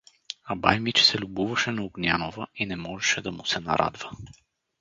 А бай Мичо се любуваше на Огнянова и не можеше да му се нарадва.